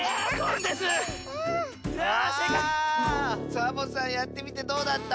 サボさんやってみてどうだった？